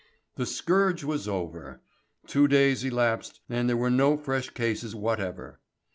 The scourge was over. Two days elapsed and there were no fresh cases whatever.